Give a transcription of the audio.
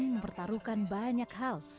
mempertaruhkan banyak hal